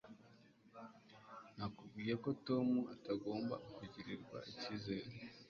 Nakubwiye ko Tom atagomba kugirirwa ikizere